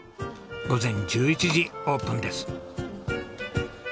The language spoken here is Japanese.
午前１１時オープンです。